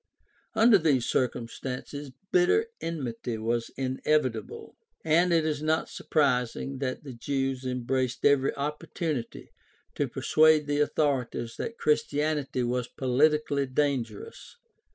Under these circumstances bitter enmity was inevitable, and it is not surprising that the Jews embraced every opportunity to persuade the authorities that Christianity was politically dangerous.